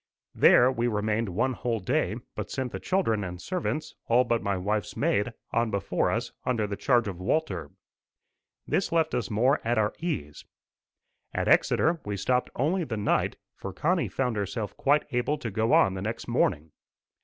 There we remained one whole day, but sent the children and servants, all but my wife's maid, on before us, under the charge of Walter. This left us more at our ease. At Exeter, we stopped only the night, for Connie found herself quite able to go on the next morning.